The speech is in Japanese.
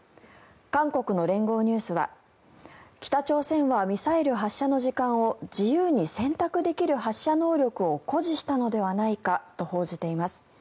韓国の連合ニュースは北朝鮮はミサイル発射の時間を自由に選択できる発射能力を誇示したのではないかと報じています。